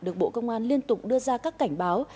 được bộ công an liên tục đưa ra các cảnh báo